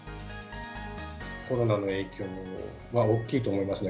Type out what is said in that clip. コロナの影響は大きいと思いますね。